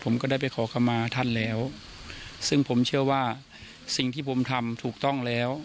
ผมก็ได้ไปขอคำมาท่านแล้วซึ่งผมเชื่อว่าสิ่งที่ผมทำถูกต้องแล้ว